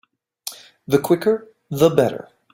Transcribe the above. The quicker the better.